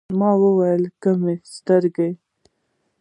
ما ویل: کومي سترګي ؟